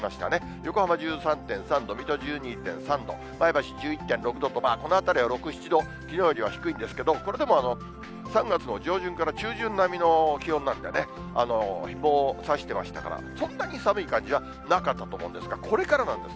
横浜１３．３度、水戸１２．３度、前橋１１．６度と、この辺りは６、７度、きのうよりは低いんですけど、これでも３月の上旬から中旬並みの気温なんでね、日もさしてましたから、そんなに寒い感じはなかったと思うんですが、これからなんです。